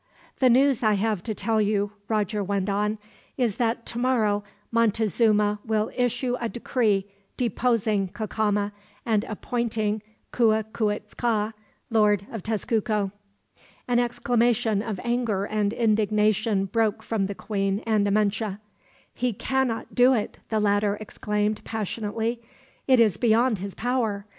"The news I have to tell you," Roger went on, "is that tomorrow Montezuma will issue a decree deposing Cacama, and appointing Cuicuitzca Lord of Tezcuco." An exclamation of anger and indignation broke from the queen and Amenche. "He cannot do it," the latter exclaimed, passionately. "It is beyond his power.